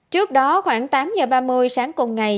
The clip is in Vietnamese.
trước đó khoảng tám giờ ba mươi sáng cùng ngày